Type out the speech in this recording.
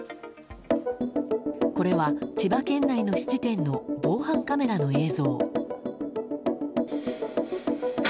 これは、千葉県内の質店の防犯カメラの映像。